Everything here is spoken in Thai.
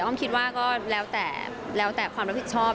อ้อมคิดว่าก็แล้วแต่ความรับผิดชอบ